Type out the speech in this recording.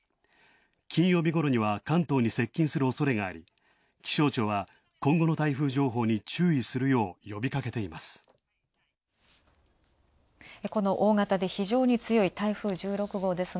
金曜日ごろには関東に接近するおそれがあり、気象庁は今後の台風情報に注意するよう呼びかけています。